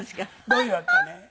どういうわけかね。